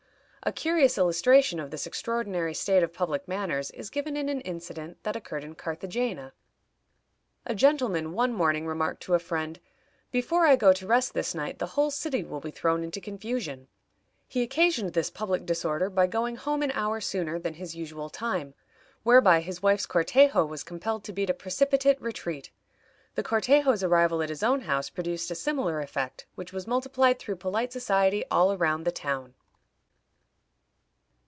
A curious illustration of this extraordinary state of public manners is given in an incident that occurred in Carthagena. A gentleman one morning remarked to a friend, "Before I go to rest this night the whole city will be thrown into confusion." He occasioned this public disorder by going home an hour sooner than his usual time, whereby his wife's cortejo was compelled to beat a precipitate retreat. The cortejo's arrival at his own house produced a similar effect, which was multiplied through polite society all round the town.